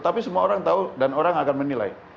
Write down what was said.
tapi semua orang tahu dan orang akan menilai